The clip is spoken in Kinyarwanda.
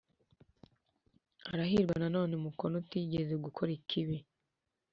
Arahirwa nanone umukone utigeze gukora ikibi,